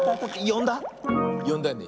よんだよね？